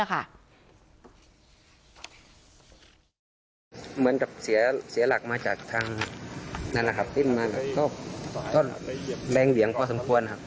เหมือนกับเสียหลักมาจากทางนานาขับติดมาก็แบงเหวียงพอสมควร